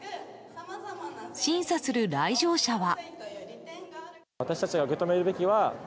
審査する来場者は。